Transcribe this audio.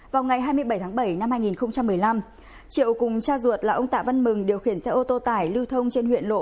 vào ngày hai mươi bảy tháng bảy năm hai nghìn một mươi năm triệu cùng cha ruột là ông tạ văn mừng điều khiển xe ô tô tải lưu thông trên huyện lộ